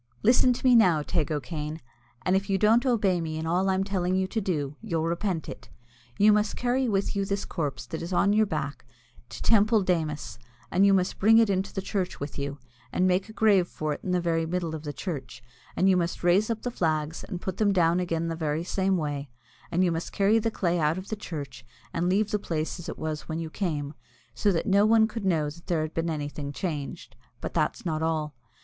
Listen to me now, Teig O'Kane, and if you don't obey me in all I'm telling you to do, you'll repent it. You must carry with you this corpse that is on your back to Teampoll Démus, and you must bring it into the church with you, and make a grave for it in the very middle of the church, and you must raise up the flags and put them down again the very same way, and you must carry the clay out of the church and leave the place as it was when you came, so that no one could know that there had been anything changed. But that's not all.